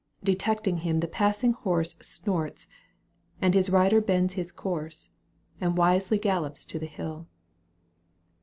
Detecting him the passing horse Snorts, and his rider bends his course And wisely gaHops to the hill.